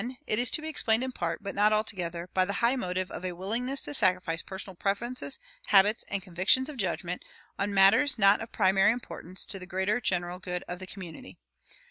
It is to be explained in part, but not altogether, by the high motive of a willingness to sacrifice personal preferences, habits, and convictions of judgment, on matters not of primary importance, to the greater general good of the community.